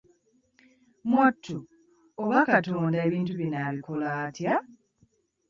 Mwattu oba katonda ebintu bino abikola atya?